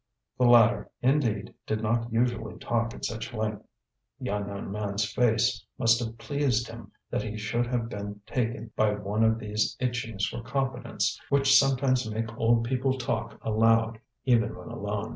The latter, indeed, did not usually talk at such length. The unknown man's face must have pleased him that he should have been taken by one of these itchings for confidence which sometimes make old people talk aloud even when alone.